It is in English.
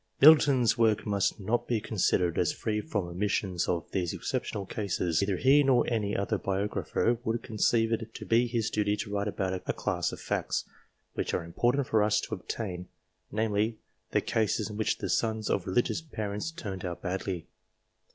Middleton's work must not be considered as free from omissions of these exceptional cases, for neither he nor any other biographer would conceive it to be his duty to write about a class of facts, which are important for us to obtain ; namely, the cases in which the sons of religious parents turned out badly.